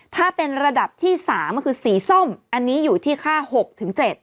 ถ้าเป็นระดับที่๓คือสีซ่อมอันนี้อยู่ที่ค่า๖ถึง๗